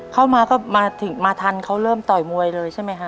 เข้ามาก็มาถึงมาทันเขาเริ่มต่อยมวยเลยใช่ไหมฮะ